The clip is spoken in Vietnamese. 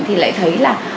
thì lại thấy là